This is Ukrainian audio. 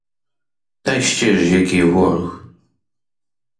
Та ще ж який ворог!